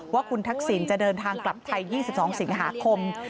ว่าคุณทักษิณจะเดินทางกลับไทย๒๒สิงหาคม